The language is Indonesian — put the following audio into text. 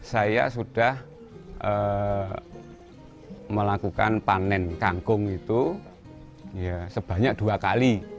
saya sudah melakukan panen kangkung itu sebanyak dua kali